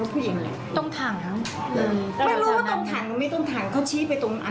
ไม่รู้ว่าตรงถังหรือไม่ตรงถังเขาชี้ไปตรงนั้น